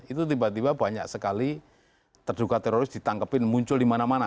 itu tiba tiba banyak sekali terduga teroris ditangkepin muncul di mana mana